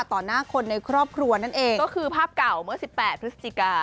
ต่อหน้าคนในครอบครัวนั่นเองก็คือภาพเก่าเมื่อ๑๘พฤศจิกายน